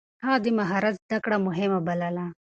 هغه د مهارت زده کړه مهمه بلله.